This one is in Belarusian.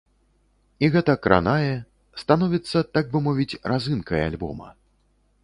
І гэта кранае, становіцца, так бы мовіць, разынкай альбома.